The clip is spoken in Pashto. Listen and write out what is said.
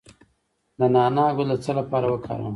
د نعناع ګل د څه لپاره وکاروم؟